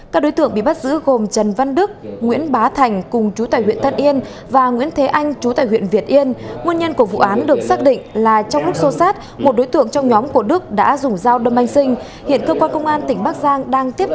các bạn hãy đăng ký kênh để ủng hộ kênh của chúng mình nhé